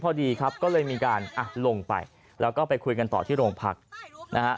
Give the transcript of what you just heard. พอดีครับก็เลยมีการอ่ะลงไปแล้วก็ไปคุยกันต่อที่โรงพักนะฮะ